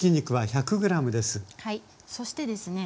そしてですね